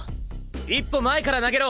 一歩前から投げろ！